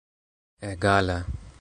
egala